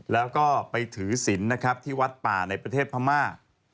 แล้วก็ไปถือศิลป์นะครับที่วัดป่าในประเทศพม่า